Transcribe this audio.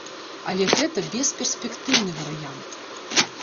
Але гэта бесперспектыўны варыянт.